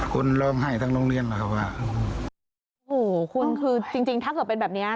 คนร้องไห้ทั้งโรงเรียนนะครับว่าโอ้โหคุณคือจริงจริงถ้าเกิดเป็นแบบเนี้ย